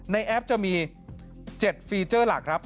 แอปจะมี๗ฟีเจอร์หลักครับ